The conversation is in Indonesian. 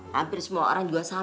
hampir semua orang juga sama